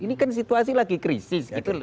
ini kan situasi lagi krisis gitu loh